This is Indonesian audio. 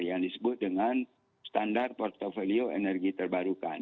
yang disebut dengan standar portfolio energi terbarukan